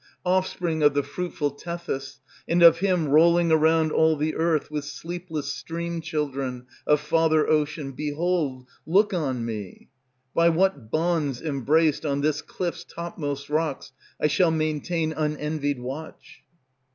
Offspring of the fruitful Tethys, And of him rolling around all The earth with sleepless stream children, Of Father Ocean; behold, look on me; By what bonds embraced On this cliff's topmost rocks I shall maintain unenvied watch.